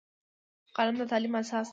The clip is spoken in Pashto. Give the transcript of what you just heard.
قلم د تعلیم اساس دی